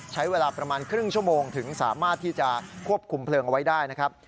ใช้เวลาประมาณครึ่งชั่วโมงถึงสามารถที่จะควบคุมเพลิงเอาไว้ได้นะครับ